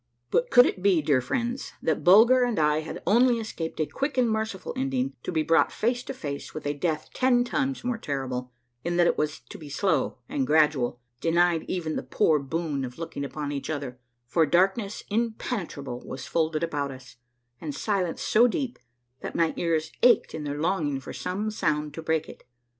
But could it be, dear friends, that Bulger and I had only escaped a quick and merciful ending to be brought face to face with a death ten times more terrible, in that it was to be slow and gradual, denied even the poor boon of looking upon each other, for darkness impenetrable was folded about us and silence so deep that my ears ached in their longing for some sound to break it.